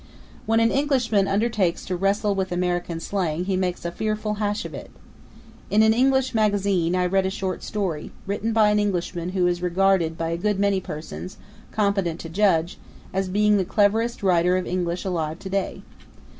When an Englishman undertakes to wrestle with American slang he makes a fearful hash of it. In an English magazine I read a short story, written by an Englishman who is regarded by a good many persons, competent to judge, as being the cleverest writer of English alive today.